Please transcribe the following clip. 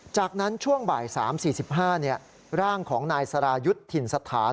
จากนั้นช่วงบ่าย๓๔๕ร่างของนายสรายุทธ์ถิ่นสถาน